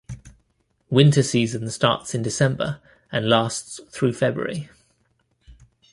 Winter season starts in December and lasts through February.